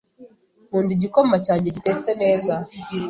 Nkunda igikoma cyanjye gitetse neza.